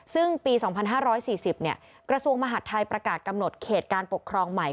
ซึ่งปี๒๕๔๐กระทรวงมหาดไทยประกาศกำหนดเขตการปกครองใหม่